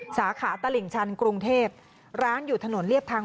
สาขาตลิ่งชันกรุงเทพร้านอยู่ถนนเรียบทาง